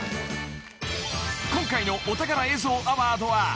［今回の『お宝映像アワード』は］